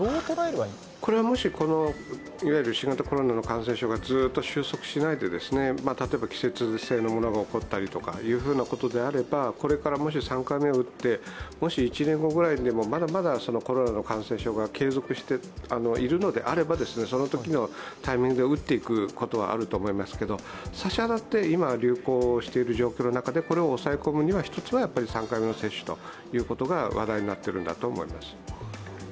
もし新型コロナの感染がずっと終息しないで例えば季節性のものが起こったりということであればこれからもし３回目打って１年後ぐらいでもまだまだコロナの感染症が継続しているのであればそのときのタイミングで打っていくことはあると思いますけど差し当たって今流行している状況の中でこれを抑え込むには、一つには３回目の接種ということが話題になっているんだと思います。